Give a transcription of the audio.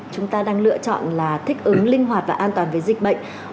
chúng ta đang lựa chọn là thích ứng linh hoạt và an toàn với dịch bệnh